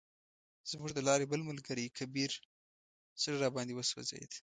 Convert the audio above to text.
زموږ د لارې بل ملګری کبیر زړه راباندې وسوځید.